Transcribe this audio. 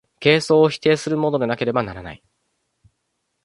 形相を否定するものでなければならない。